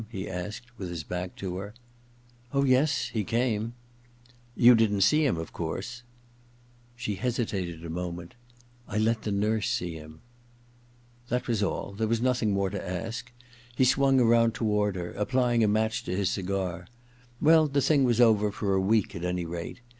he asked, with his back to her. II THE OTHER TWO 53 * Oh, yes — he came/ * You didn't see him, of course ?' She hesitated a moment. *I let the nurse see him.* That was all. There was nothing more to ask. He swung round toward her, applying a match to his cigar. Well, the thing was over for a week, at any rate.